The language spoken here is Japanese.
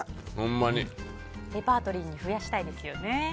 レパートリーに増やしたいですよね。